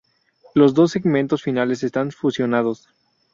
Los dos segmentos finales están fusionados.